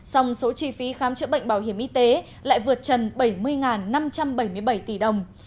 song số chi phí khám chữa bệnh bảo hiểm y tế lại vượt trần bảy mươi năm trăm bảy mươi bảy tỷ đồng